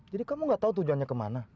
jadi kamu gak tau tujuannya kemana